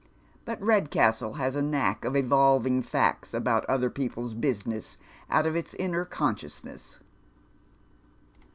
But Iledcastle has a knack of evolving facts about other people's business out of its inner consciousness.